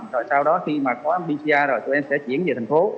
rồi sau đó khi mà có mbc rồi tụi em sẽ chuyển về thành phố